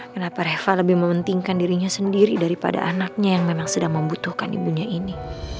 kenapa reva lebih mementingkan dirinya sendiri daripada anaknya yang memang sedang membutuhkan ibunya ini